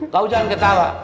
kau jangan ketawa